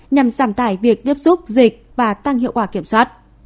nhằm giảm tải việc tiếp xúc dịch và tăng hiệu quả kiểm soát